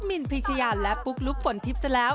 มินพิชยาและปุ๊กลุ๊กฝนทิพย์ซะแล้ว